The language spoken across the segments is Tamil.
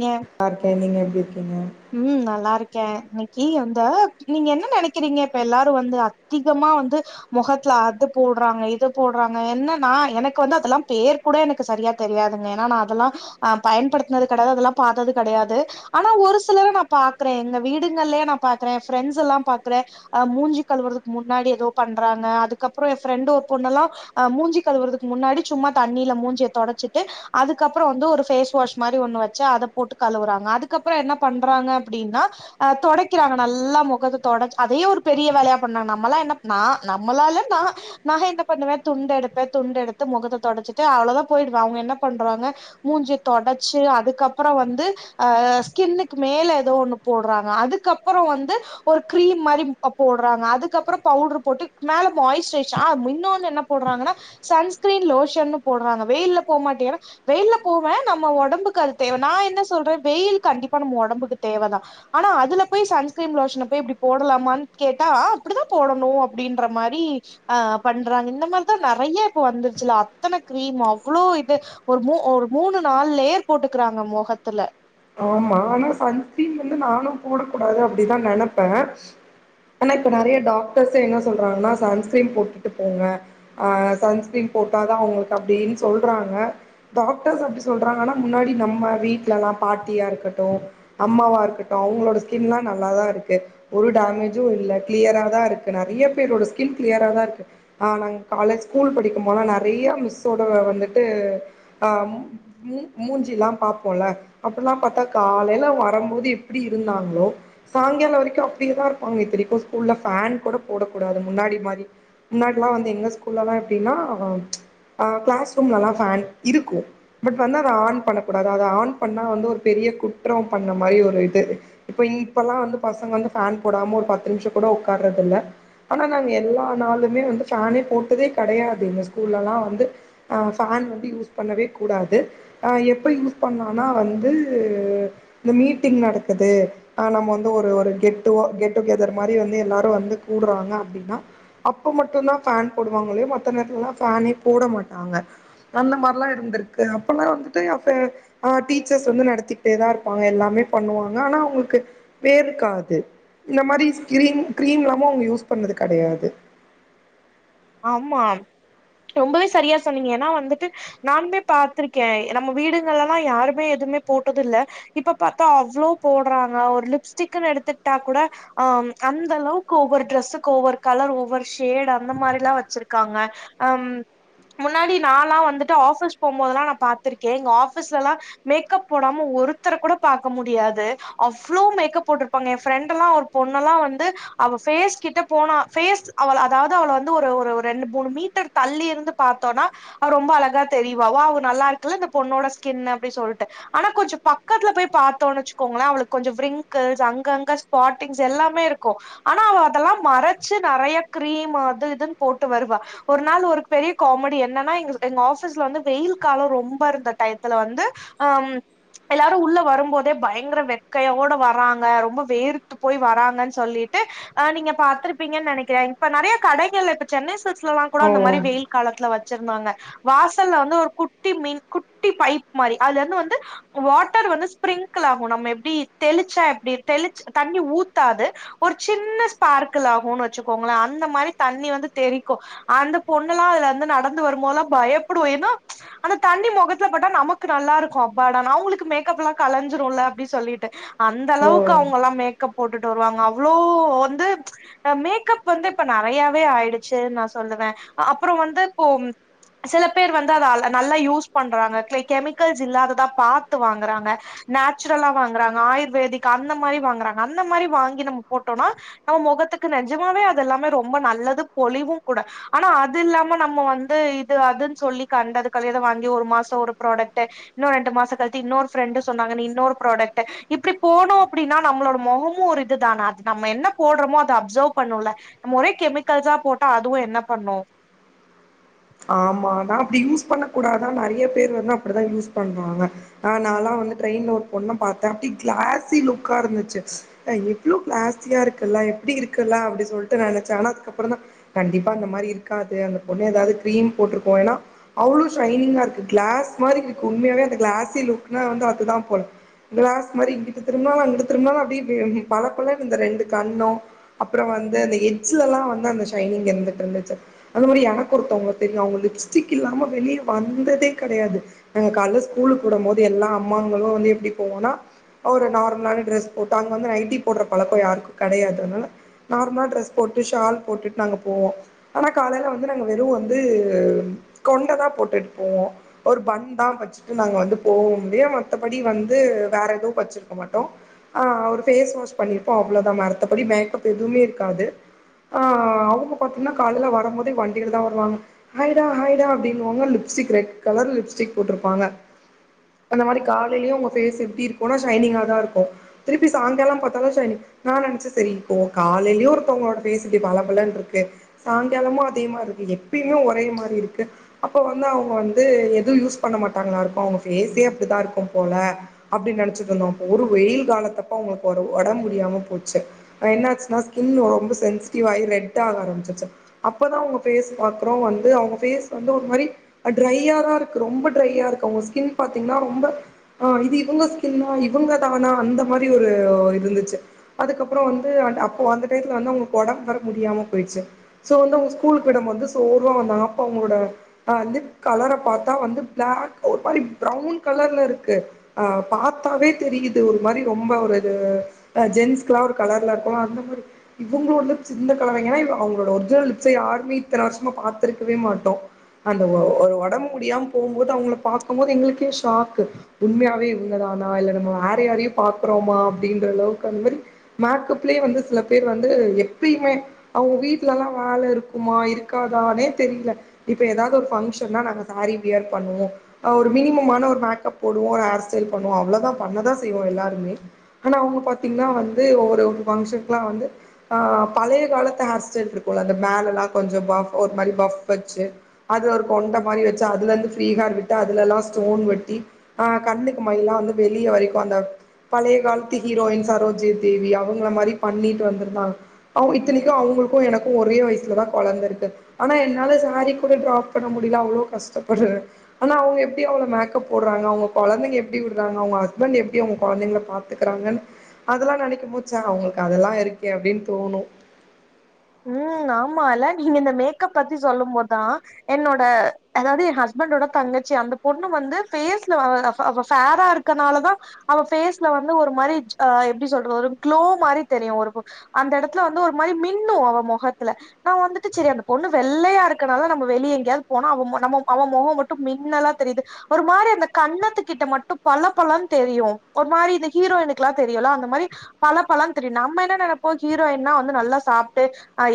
ஏ பார்க்கே நீங்க எப்டி இருக்கீங்க ம் நல்லாருக்கே இன்னைக்கி அந்த நீங்க என்ன நெனைக்கிறீங்க இப்ப எல்லாரு வந்து அதிகமா வந்து மொகத்ல அதுப் போட்றாங்க இதுப் போட்றாங்க என்னனா எனக்கு வந்து அதெலாம் பேர்த் கூட எனக்கு சரியா தெரியாதுங்க ஏனா நா அதெலா அம் பயன்படுத்னது கெடையாது அதெலாம் பாத்தது கெடையாது ஆனா ஒருச் சிலர நாப் பாக்றே எங்க வீடுங்கள்லியே நாப் பாக்றே ஃபிரெண்டஸ் எல்லாம் பாக்றே அ மூஞ்சி கழுவறதுக் முன்னாடி எதோப் பண்றாங்க அதுக்கப்றோ எ ஃபிரெண்டு ஒரு பொண்ணல்லா அ மூஞ்சி கழுவறதுக் முன்னாடி சும்மா தண்ணில மூஞ்சியத் தொடச்சிட்டு அதுக்கப்ற வந்து ஒரு ஃபேஸ் வாஷ் மாரி ஒன்னு வச்சி அதப் போட்டு கழுவுறாங்க அதுக்கப்பற என்னப் பண்றாங்க அப்டினா அ தொடைக்கறாங்க நல்லா மொகத்த தொடச் அதையே ஒரு பெரிய வேலையாப் பண்ணா நம்மளா என்ன நா நம்மளால நா நா என்ன பண்ணுவே துண்ட எடுப்பே துண்டு எடுத்து மொகத்த தொடச்சிட்டு அவ்ளோதா போயிடுவே அவுங்க என்னப் பண்றாங்க மூஞ்சத் தொடச்சு அதுக்கப்பறோ வந்து அ ஸ்கின்னுக் மேல எதோ ஒன்னுப் போட்றாங்க அதுக்கப்பறோ வந்து ஒரு கிரீம் மாரிப் போ போட்றாங்க அதுக்கப்றோ பவுட்ரு போட்டு மேல மாய்ஸ்சரைச் ஆ முன்னோனு என்னப் போட்றாங்கனா சன்ஸ்கிரீன் லோஷன்னு போட்றாங்க வெய்யில்லப் போ மாட்டியனா வெயில்ல போவேன் நம்ம உடம்புக்கு அது தேவநா நா என்ன சொல்றேன் வெயில் கண்டிப்பா நம்ம உடம்புக்கு தேவதான் ஆனா அதுல போய் சன்ஸ்கிரீன் லோஷன போய் இப்டி போடலாமான்னு கேட்டா அ அப்டிதான் போடணும் அப்டின்ற மாரி ஆ பண்றாங்க இந்த மாரிதான் நறைய இப்ப வந்துருச்சுல அத்தனை கிரீம் அவ்ளோ இது ஒரு மம ஒரு மூணு நாள் லேர் போட்டுக்கறாங்க முகத்துல ஆமா ஆனா சன்ஸ்கிரீன் வந்து நானும் போட கூட கூடாது அப்டிதான் நினப்பேன் ஆனா இப்ப நறைய டாக்டர்ஸ் என்ன சொல்றாங்கன்னா சன்ஸ்கிரீன் போட்டுட்டு போங்க அ சன்ஸ்கிரீன் போட்டாதான் அவங்களுக்கு அப்டின்னு சொல்றாங்க டாக்டர்ஸ் அப்டி சொல்றாங்கன்னா முன்னாடி நம்ம வீட்லல்லாம் பாட்டியா இருக்கட்டும் அம்மாவா இருக்கட்டும் அவங்களோட ஸ்கின்லாம் நல்லாதான் இருக்கு ஒரு டேமேஜும் இல்ல கிளியரா தான் இருக்கு நறையா பேரோட ஸ்கின் கிளியரா தான் இருக்கு ஆ நாங்க காலேஜ் ஸ்கூல் படிக்கும் போனா நறையா மிஸ்ஸோட வந்துட்டு ஆ மு மூஞ்சில்லாம் பாப்போம்ல அப்பல்லாம் பார்த்தா காலைல அவுங்க வரும்போது எப்டி இருந்தாங்களோ சாயங்காலம் வரைக்கும் அப்டியேதான் இருப்பாங்க இத்தனைக்கும் ஸ்கூல்ல ஃபேன் கூட போடக் கூடாது முன்னாடி மாரி முன்னாடில்லாம் வந்து எங்க ஸ்கூல்லல்லாம் எப்டின்னா அ அ கிளாஸ் ரூம்லலாம் பேன் இருக்கும் பட் வந்து அத ஆன் பண்ணக்கூடாது அத ஆன் பண்ணா வந்து ஒரு பெரிய குற்றம் பண்ண மாரி ஒரு இது இப்ப இப்பெல்லாம் வந்து பசங்க வந்து ஃபேன் போடாம ஒரு பத்து நிமிஷோ கூட உட்காறது இல்ல ஆனா நாங்க எல்லா நாளுமே வந்து ஃபேனே போட்டதே கெடையாது இந்த ஸ்கூல்லல்லாம் வந்து ஃபேன் வந்து யூஸ் பண்ணவே கூடாது அ எப்ப யூஸ் பண்ணா ஆனா வந்து இந்த மீட்டிங் நடக்குது ஆ நம்ம வந்து ஒரு ஒரு கெட்டு கெட்டு கெதர் மாரி வந்து எல்லாரும் வந்து கூடுறாங்க அப்டின்னா அப்ப மட்டும் தான் ஃபேன் போடுவாங்கல்லையே மத்த நேரத்துலல்லாம் ஃபேனே போட மாட்டாங்க அந்த மாதிரிலாம் இருந்திருக்கு அப்பல்லாம் வந்துட்டு அப்ப ஆ டீச்சர்ஸ் வந்து நடத்திக்கிட்டே தான் இருப்பாங்க எல்லாமே பண்ணுவாங்க ஆனா அவங்களுக்கு வேற்க்காது இந்த மாரி ஸ்க்ரீம் க்ரீம் இல்லாமோ அவுங்க யூஸ் பண்ணது கிடையாது ஆமா ரொம்பவே சரியா சொன்னீங்க ஏன்னா வந்துட்டு நானுமே பாத்திருக்கேன் நம்ம வீடுகள்லல்லாம் யாருமே எதுவுமே போட்டது இல்ல இப்ப பார்த்தா அவ்ளோ போடுறாங்க ஒரு லிப்ஸ்டிக்ன்னு எடுத்துட்டா கூட ஆ அந்த அளவுக்கு ஒவ்வொரு டிரெஸ்ஸுக்கு ஒவ்வொரு கலர் ஒவ்வொரு ஷேட் அந்த மாரி ல்லாம் வச்சிருக்காங்க அம் முன்னாடி நாலாம் வந்துட்டு ஆஃபீஸ் போம்போதுல்லாம் நான் பா்த்திருக்கேன் எங்க ஆபீஸ்லலாம் மேக்கப் போடாம ஒருத்தர கூட பார்க்க முடியாது அவ்ளோ மேக்கப் போட்டிருப்பாங்க என் ஃப்ரெண்டல்லா ஒரு பொண்ணல்லாம் வந்து அவ பேஸ் கிட்ட போனா பேஸ் அவள் அதாவது அவள வந்து ஒரு ஒரு ரெண்டு மூணு மீட்டர் தள்ளி இருந்து பார்த்தோனா அவ ரொம்ப அழகா தெரிவா வாவ் நல்லா இருக்குல்ல இந்த பொண்ணோட ஸ்கின்னு அப்டி சொல்ட்டு ஆனா கொஞ்சோ பக்கத்துல போய் பார்த்தோம்ன்னு வச்சுக்கோங்களா அவளுக்கு கொஞ்சோ விரிங்கள்ஸ் அங்க அங்க பார்ட்டிங்ஸ் எல்லாமே இருக்கும் ஆனா அவ அதெல்லாம் மறச்சி நறையா கிரீம் அது இது ன்னு போட்டு வருவா ஒரு நாள் ஒரு பெரிய காமெடி என்னன்னா எங்க எங்க ஆபீஸ்ல வந்து வெயில் காலம் ரொம்ப இருந்த டயத்துல வந்து ஆம் எல்லாரு உள்ள வரும்போதே பயங்கர வெக்கையோட வராங்க ரொம்ப வேர்த்து போய் வராங்கன்னு சொல்லிட்டு ஆ நீங்க பாத்துருப்பீங்கன்னு நினைக்கிறேன் இப்ப நறைய கடைகள்ல இப்ப சென்னை சில்க்ஸ்ல கூட ஓ அந்த மாறி வெயில் காலத்துல வச்சிருந்தாங்க வாசல்ல வந்து ஒரு குட்டி மீன் குட்டி பைப் மாறி அதுல இருந்து வந்து வாட்டர் வந்து ஸ்பிரிக்கிள் ஆகு நம்ம எப்டி தெளிச்சா எப்டி தெளிச் தண்ணி ஊத்தாது ஒரு சின்ன ஸ்பார்க்கிள் ஆகுன்னு வச்சுக்கோங்களே அந்த மாறி தண்ணி வந்து தெரிக்கு அந்த பொண்ணல்லா அதுல வந்து நடந்து வரும்போதுல்லா பயப்படு என்னா அந்த தண்ணி முகத்துல பட்டா நமக்கு நல்லா இருக்கு அப்பாடனு அவுங்களுக்கு மேக்கப்லா கலஞ்சிருல அப்டி சொல்லிட்டு அந்த ஓ அளவுக்கு அவங்கல்லா மேக்கப் போட்டுட்டு வருவாங்க அவ்ளோ வந்து அ மேக்கப் வந்து இப்ப நறைய வே ஆயிடுச்சு நா சொல்லுவே அப்புறோ வந்து இப்போ செல பேர் வந்து அத நல்லா யூஸ் பண்றாங்க கெ கெமிக்கல்ஸ் இல்லாததா பாத்து வாங்கறாங்க நேச்சுரலா வாங்குறாங்க ஆயுர்வேதிக் அந்த மாரி வாங்குறாங்க அந்த மாரி வாங்கி நம்ம போட்டோனா நம்ம மொகத்துக்கு நெஜமாவே அது எல்லாமே ரொம்ப நல்லது பொலிவு கூட ஆனா அது இல்லாம நம்ம வந்து இது அதுன்னு சொல்லி கண்டது கலியது வாங்கி ஒரு மாசொ ஒரு ப்ராடக்ட்ட இன்னு ரெண்டு மாச கழித்து இன்னொரு ஃப்ரெண்டு சொன்னாங்கனு இன்னொரு ப்ராடக்ட்ட இப்டி போனோ அப்டின்னா நம்மளோட மொகமு ஒரு இது தானே அது நம்ம என்ன போடுறோமோ அத அப்சர்வ் பண்ணுல நம்ம ஒரே கெமிக்கல்ஸா போட்டா அதுவு என்ன பண்ணு ஆமா ஆனா அப்டி யூஸ் பண்ண கூடாதா நறைய பேர் வந்து அப்டிதா யூஸ் பண்றாங்க ஆ நாலா வந்து ட்ரெயின்ல ஒரு பொண்ண பாத்த அப்டி கிளாசி லுக்கா இருந்துச்சு அ இவ்ளோ கிளாஸியா இருக்குல்ல எப்டி இருக்குல்லா அப்டி சொல்ட்டு நெனச்ச ஆனா அதுக்கப்புறதா கண்டிப்பா அந்த மாரி இருக்காது அந்த பொண்ணு ஏதாவது கிரீம் போட்டிருக்கு ஏன்னா அவ்ளோ ஷைனிங்கா இருக்கு கிளாஸ் மாறி இருக்கு உண்மையாவே அந்த கிளாஸி லுக்னா வந்து அதுதா போல கிளாஸ் மாரி இங்கிட்டு திரும்னாலு அங்கிட்டு திரும்னாலு அப்டி இப்டி பழப்பழனுது ரெண்டு கண்ணோ அப்பற வந்து அந்த எட்ஜ்லலா வந்து அந்த ஷைனிங் இருந்துட்டு இருந்துச்சு அந்த மாரி எனக்கு ஒருத்தவங்கள தெரியு அவங்க லிப்ஸ்டிக் இல்லாம வெளியே வந்ததே கெடையாது நாங்க காலைல ஸ்கூலுக்கு விடம்போது எல்லா அம்மாங்களு வந்து எப்டி போவோனா ஒரு நார்மலான ட்ரெஸ் போட்டு அங்க வந்து நைட்டி போடுற பழக்க யாருக்கு கெடையாது அதனால நார்மலா ட்ரெஸ் போட்டு ஷால் போட்டுட்டு நாங்க போவோ ஆனா காலைல வந்து நாங்க வெறு வந் து கொண்டதா போட்டுட்டு போவோ ஒரு பண்தா வச்சுட்டு நாங்க வந்து போவோ ஒழிய மத்தபடி வந்து வேற எதுவு வச்சிருக்க மாட்டோ ஆ ஒரு ஃபேஸ் வாஷ் பண்ணிருப்போ அவ்ளோதா மத்தபடி மேக்கப் எதுவுமே இருக்காது ஆ அவுங்க பாத்தீங்கன்னா காலைல வரமோதே வண்டிலதா வருவாங்க ஹாய்டா ஹாய்டா அப்டினுவாங்க லிப்ஸ்டிக் ரெட் கலர் லிப்ஸ்டிக் போட்ருப்பாங்க அந்த மாறி காலைலயு அவுங்க ஃபேஸ் எப்டி இருக்குனா ஷைனிங்காதா இருக்கு திருப்பி சாய்ங்கால பாத்தாலு ஷைனிங் நா நனைச்ச சரி காலைலயு ஒருத்தவுங்களோட ஃபேஸ் இப்டி பள பளன்ருக்கு சாய்ங்காலமு அதே மாரி இருக்கு எப்பயுமே ஒரே மாரி இருக்கு அப்ப வந்து அவுங்க வந்து எது யூஸ் பண்ண மாட்டாங்களா இருக்கு அவுங்க ஃபேஸே அப்டித்தா இருக்கு போல அப்டினு நனச்சிட்டு இருந்தோ ஒரு வெயில் காலத்தப்போ அவுங்களுக்கு ஒட ஒடம் முடியாம போச்சு எனாச்சுனா ஸ்கின் ரொம்ப சென்சிட்டிவ் ஆயி ரெட் ஆக ஆரம்பிச்சிருச்சு அப்பதா அவுங்க ஃபேஸ் பாக் குறோ வந்து அவுங்க ஃபேஸ் வந்து ஒரு மாரி ட்ரையாதா இருக்கு ரொம்ப ட்ரையா இருக்கு அவுங்க ஸ்கின் பாத்தீங்கனா ரொம்ப ஆ இது இவுங்க ஸ்கின்னா இவுங்க தானா அந்த மாரி ஒரு இருந்துச்சு அதுக்கப்புறோ வந்து அந் அப்போ அந்த டயத்துல வந்து அவுங்களுக்கு ஒடம்பு வேற முடியாம போயிடுச்சு சோ வந்து அவுங்க ஸ்கூலு விடம்போது சோர்வா வந்த அப்ப அவுங்களோட அ வந்து கலர பாத்தா வந்து பிளாக் ஒரு மாரி ப்ரௌன் கலர்ல இருக்கு ஆ பாத்தாலே தெரியுது ஒரு மாரி ரொம்ப ஒரு இது அ ஜென்ஸ்க்குலா ஒரு கலர்ல இருக்கு அந்த மாரி இவங்களோடல சின்ன கலவைங்கன்னா இவங்க அவங்களோட ஒரிஜினல் லிப்ஸே யாருமே இப் இத்தனை வருஷமா பாத்துருக்கவே மாட்டோ அந்த ஒ ஒடம்பு முடியாம போம்போது அவங்கள பாக்கும் போது எங்களுக்கே ஷாக்கு உண்மையாவே இவங்கதானா இல்ல நம்ம வேற யாரையு பாக்குறோமா அப்டின்ற அளவுக்கு அந்த மாரி மேக்கப்லயே வந்து சில பேர் வந்து எப்பயுமே அவுங்க வீட்லலா வேல இருக்குமா இருக் க்காதானே தெரில இப்ப ஏதாவது ஒரு பங்க்ஷன்னா நாங்க சாரீ வியர் பண்ணுவோ ஒரு மினிமமான ஒரு மேக்கப் போடுவோ ஒரு ஹேர் ஸ்டைல் பண்ணுவோ அவ்ளதா பண்ணதா செய்வோ எல்லாருமே ஆனா அவங்க பாத்தீங்கனா வந்து ஒரு ஃபங்க்ஷனுக்குலா வந்து ஆ பழைய காலத்து ஹேர்ஸ்டைல் இருக்குல அந்த மேல எல்லா கொஞ்ச ஒரு மாதிரி பஃப் வச்சி அதுல ஒரு கொண்ட மாரி வச்சி அதுல இருந்து ஃப்ரீஹேர் விட்டு அதுலல்லா ஸ்டோன் வெட்டி ஆ கண்ணுக்கு மய் எல்லா வந்து வெளிய வரைக்கு அந்த பழைய காலத்து ஹீரோயின் சரோஜி தேவி அவங்கள மாரி பண்ணிட்டு வந்திருந்தாங் அவ இத்தனைக்கு அவங்களுக்கு எனக்கு ஒரே வயசுல தா கொழந்த இருக்கு ஆனா என்னால சாரீ கூட டிராப் பண்ண முடியல அவ்ளோ கஷ்டபடுற ஆனா அவங்க எப்டி அவ்ளோ மேக்கப் போடுறாங்க அவங்க கொழந்தைங்க எப்டி விடுறாங்க அவங்க ஹஸ்பண்ட் எப்டி அவங்க கொழந்தைங்கள பாக் கத்துக்கறாங்கன் அதெல்லா நெனைக்கும் போது சே அவங்களுக்கு அதெல்லா இருக்கே அப்டினு தோணு ம் ஆமால நீங்க இந்த மேக்கப் பத்தி சொல்லும் போதா என்னோட அதாது எ ஹஸ்பண்டோட தங்கச்சி அந்த பொண்ணு வந்து பேஸ்ல ஃபேரா இருக் க்கனாலதா அவ ஃபேஸ்ல வந்து ஒரு மாரி அ எப்டி சொல்றது ஒரு க்ளோ மாரி தெரியு ஒரு அந்த எடத்துல வந்து ஒரு மாரி மின்னு அவ மொகத்துல நா வந்துட்டு சரி அந்த பொண்ணு வெள்ளையா இருக்கனால நம்ம வெளிய எங்கேயாது போனா அவ நம்ம அவ மொகம் மட்டுமின்னலா தெரியுது ஒரு மாரி அந்த கண்ணத்துக்கிட்ட மட்டு பல பலன் தெரியு ஒரு மாரி இந்த ஹீரோயினுக்கெல்லா தெரியுல அந்த மாரி பல பலன் தெரியு நம்ம என்ன நெனப்போ ஹீரோயின்னா வந்து நல்லா சாப் ட்டு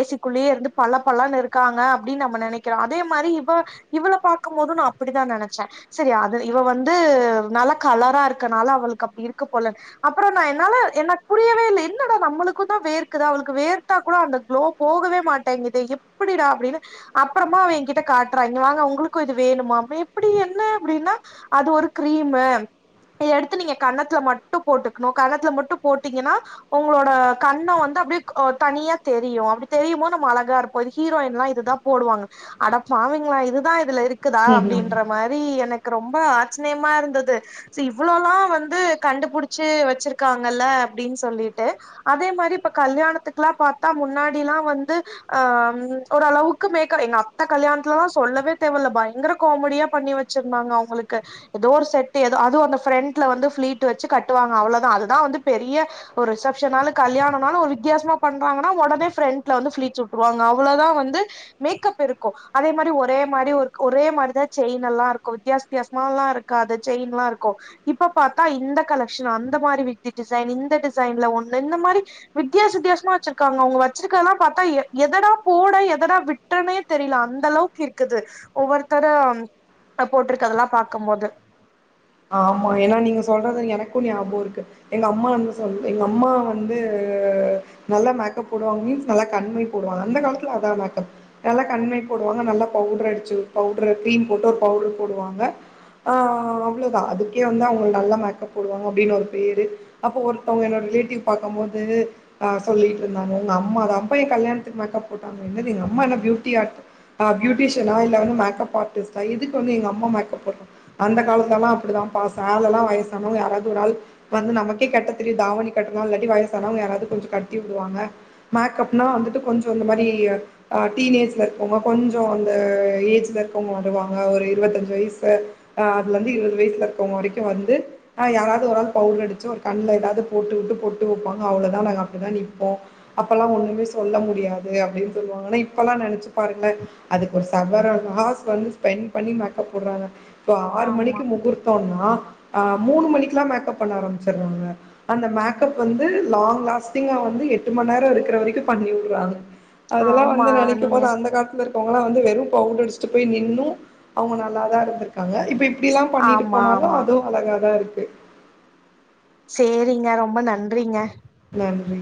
ஏசிக்குள்ளயே இருந்து பல பலன்னு இருக்காங்க அப்டின் நம்ம நெனைக்கிறோ அதே மாரி இவ இவ்ள பாக்கும்போது நா அப்படி தா நெனச்சே சரி அது இவ வந்து நல்லா கலரா இருக்கனால அவளுக்கு அப்டி இருக்கு போல அப்புற நா என்னால எனக்கு புரியவே இல்ல என்னடா நம்மளுக்கு தா வேர்க்குது அவளுக்கு வேர்த்தா தா அந்த குளோ போகவே மாட்டேன்கதே எப்படிடா அப்டினு அப்றமா அவ என்கிட்ட காட்றா இங்க வாங்க உங்களுக்கு இது வேணுமா எப்டி என்ன அப்டினா அது ஒரு கிரீமு இத எடுத்து நீங்க கன்னத்துல மட்டு போட்டுக்ணு கன்னத்துல மட்டு போட்டீங்கனா உங்களோட கன்னோ வந்து அப்டியே தனியா தெரியு அப்டி தெரியு போது நம்ம அழகா இருப்போ இது ஹீரோயின்லா இதுதா போடுவாங்க அடப்பாவிங்ளா இதுதா இதுல இருக்குதா அப்டின்ற மாரி எனக்கு ரொம்ப ஆச்சரியமா இருந்தது சி இவ்ளோலா வந்து கண்டுபிடிச்சு வச்சிருக்காங்கல்ல அப்டின் சொல்லிட்டு அதே மாரி இப்ப கல்யாணத்துக்குல்லா பாத்தா முன்னாடி எல்லா வந்து அ ஓரளவுக்கு மேக்க எங்க அத்த கல்யாணத்துலலா சொல்லவே தேவல பயங்கர காமெடியா பண்ணி வச் வச்சிருந்தாங்க அவங்களுக்கு ஏதோ ஒரு செட் ஏதோ அதுவு அந்த ஃப்ரண்ட்ல வந்து ஃப்ளீட் வச்சு கட்டுவாங்க அவ்ளோதா அதுதா வந்து பெரிய ஒரு ரிசப்ஷனாலு கல்யாணம்னாலு ஒரு வித்தியாசமா பண் ணுவாங்கனா ஒடனே ஃபிரண்ட்ல வந்து ஃபிலீட்ச் விட்டுருவாங்க அவ்ளதா வந்து மேக்கப் இருக்கு அதே மாரி ஒரே மாரி ஒரு ஒரே மாரிதா செயின் எல்லா இருக்கு வித்தியாச வித்தியாசமா எல்லா இருக் காது செயின் எல்லா இருக்கு இப்ப பாத்தா இந்த கலெக்ஷன் அந்த மாரி விட்டி டிசைன் இந்த டிசைன்ல ஒண்ணு இந்த மாரி வித்தியாச வித்தியாசமா வச்சிருப் காங்க அவ்ங்க வச்சுருக்கதலா பாத்தா எ எதடா போட எதடா விட்டனே தெரில அந்த அளவுக்கு இருக்குது ஒவ்வொருத்தர அ போட்ருக்கதல்லா பாக்கம்போது ஆமா ஏனா நீங்க சொல்றது எனக்கு ஞாபகோ இருக்கு எங்க அம்மா வந்து சொல் எங்க அம்மா வந்து நல்லா மேக்கப் போடுவாங்க மீன்ஸ் நல்லா கண்மை போடுவாங்க அந்த காலத்துல அதா மேக்கப் நல்லா கண்மை போடுவாங்க நல்லா பவுட்ர் அடுச்சுவுட் பவுட்ரு க்ரீம் போட்டு ஒரு பவுட்ரு போடுவாங்க ஆ அ அவ்ளொதா அதுக்கே வந்து அவங்க நல்லா மேக்கப் போடுவாங்க அப்டின் ஒரு பேரு அப்ப ஒருத்தவுங்க என்னோட ரிலேட்டிவ் பாக்கம்போது ஆ சொல்லிட்டு இருந்தாங்க ஒங்க அம்மாதாம்பா எ கல்யாணத்துக்கு மேக்கப் போட்டாங்க என்னது எங்க அம்மா என்ன பியூட்டி ஆர்ட் அ பியூட்டிஷியனா இல்ல வந்து மேக்கப் ஆர்டிஸ்டா எதுக்கு வந்து எங்க அம்மா மேப் போட்றாங்க அந்த காலத் லலா அப்டிதான்பா சேலலா வயசானவங்க யாராவது ஒரு ஆள் வந்து நமக்கே கட்ட தெரியு தாவணி கட்டனு இல்லாட்டி வயசானவங்க யாராது கொஞ்ச கட்டி உடுவாங்க மேக்கப்னா வந்துட்டு கொஞ்சோ இந்த மாரி அ ஆ டீனேஜ்ல இருக்கவங்க கொஞ்சோ அந்த ஏஜ்ல இருக்கவங்க வருவாங்க ஒரு இருவத்தஞ்சு வயசு ஆ அதுலந்து இருவது வயசுலருக்கவங்க வரைக்கு வந்து ஆ யாராவது ஒராள் பவுட்ரடுச்சு ஒரு கண்ல ஏதாது போட்டு வுட்டு பொட்டு வப்பாங்க அவ்ளதா நாங்க அப்டிதா நிப்போ அப்பல்லா ஒண்ணுமே சொல்ல முடியாது அப்டின் சொல்லுவாங்க ஆனா இப்பல்லா நெனச்சு பாருங்ளே அதுக்கு ஒரு சவரன் ஹார்ஸ் வந்து ஸ்பெண்ட் பண்ணி மேக்கப் போட்றாங்க ஆறு ஆமா மணிக்கு முகூர்த்தம்னா அ மூனு மணிக்லா மேக்கப் பண்ண ஆரம்பிச்சராங்க அந்த மேக்கப் வந்து லாங் லாஸ்டிங்கா வந்து எட்டு மண்நேர இருக்கிற வரைக்கு பண்ணி உட்றாங்க அதல்லா ஆமா வந்து நீங்க நெனைக்கும்போது அந்த காலத்துலருக் கவங்ல்லா வந்து வெறு பவுட்ர் அடுஸ்ட்டு போய் நின்னு அவுங்க நல்லாதா இருந்திருக்காங்க இப்டிலா பண்ணிட்டு ஆமா போனாலு ஆமா அதுவு அழகாதாருக்கு சேரிங்க ரொம்ப நன்றிங்க நன்றி